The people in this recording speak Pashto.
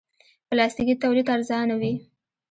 پلاستيکي تولید ارزانه وي.